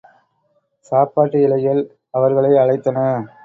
சாப்பாட்டு இலைகள் அவர்களை அழைத்தன.